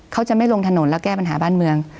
เขาจะไม่ลงถนนแล้วแก้ปัญหาบ้านเมือง